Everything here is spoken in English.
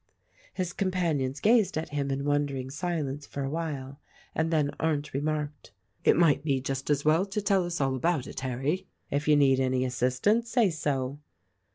His companions gazed at him in wondering silence for a while, and then Arndt remarked, "It might be just as well to tell us all about it, Harry. If you need any assistance, say so."